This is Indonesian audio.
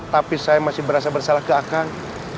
tapi saya masih merasa bersalah ke akang